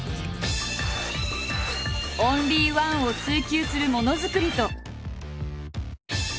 オンリーワンを追求するものづくりと。